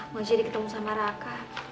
mau jadi ketemu sama raka